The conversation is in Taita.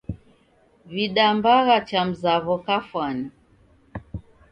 W'idambagha cha mzaw'o kafwani.